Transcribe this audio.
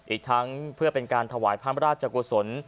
อีกทั้งเพื่อเป็นการถวายพระราชกุศล